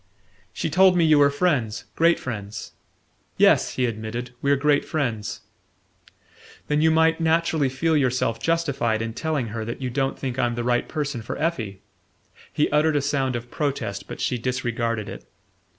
"She told me you were friends great friends" "Yes," he admitted, "we're great friends." "Then you might naturally feel yourself justified in telling her that you don't think I'm the right person for Effie." He uttered a sound of protest, but she disregarded it.